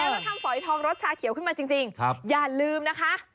ถ้าทำฝอยทองรสชาเขียวขึ้นมาจริงอย่าลืมนะคะ